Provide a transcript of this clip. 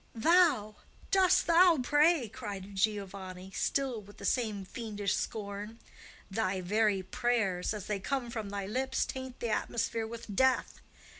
"Thou,—dost thou pray?" cried Giovanni, still with the same fiendish scorn. "Thy very prayers, as they come from thy lips, taint the atmosphere with death.